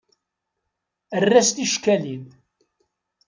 Err-as ticekkalin.